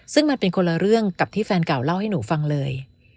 ซึ่งมันเป็นคนละเรื่องกับที่แฟนเก่าเล่าให้หนูฟังเลย